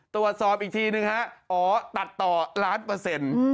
ตรวจสอบอีกทีนึงฮะอ๋อตัดต่อล้านเปอร์เซ็นต์